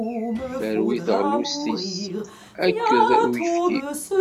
Terwi taɣlust-is akked uyefki.